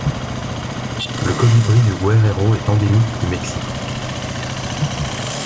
Le Colibri du Guerrero est endémique du Mexique.